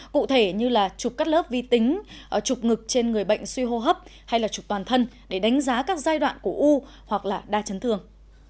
cụ thể như là chụp cắt lớp vi tính chụp ngực trên người bệnh suy hô hấp hay là chụp toàn thân để đánh giá các giai đoạn của u hoặc là đa chấn thương